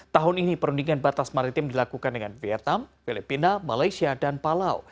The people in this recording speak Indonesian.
tahun ini perundingan batas maritim dilakukan dengan vietnam filipina malaysia dan palau